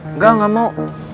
enggak enggak mau